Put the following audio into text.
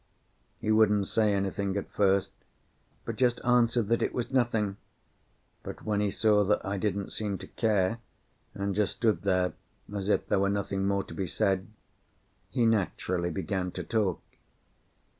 He wouldn't say anything at first, but just answered that it was nothing. But when he saw that I didn't seem to care, and just stood there as if there were nothing more to be said, he naturally began to talk.